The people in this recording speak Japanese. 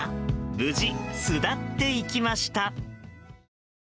無事、巣立っていきました。